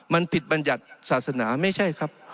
มันผิดบัญญัติศาสนาไม่ใช่ครับ